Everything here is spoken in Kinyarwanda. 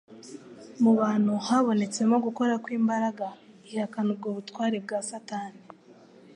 Mu bantu habonetsemo gukora kw'imbaraga ihakana ubwo butware bwa Satani